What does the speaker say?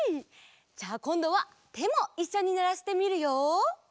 じゃあこんどはてもいっしょにならしてみるよ。